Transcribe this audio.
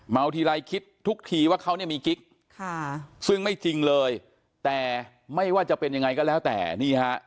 ทีไรคิดทุกทีว่าเขาเนี่ยมีกิ๊กซึ่งไม่จริงเลยแต่ไม่ว่าจะเป็นยังไงก็แล้วแต่นี่ฮะ